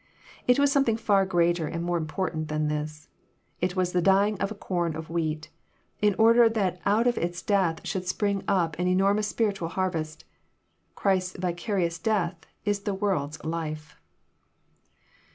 It was something far greater and more important than this. It was the dying of a com of wheat, in order that out of its death should spring up an enormous spiritoal harvest. Christ's vica rious death is the world's life.